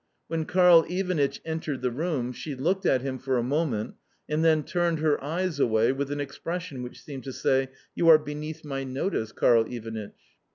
When Karl Ivanitch entered the room she looked at him for a moment, and then turned her eyes away with an expression which seemed to say, "You are beneath my notice, Karl Ivanitch."